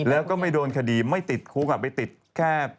แล้วก็ไม่โดนคดีไม่ติดคุกไปติดแค่